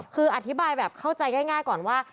คืออธิบายแบบเข้าใจง่ายก่อนว่า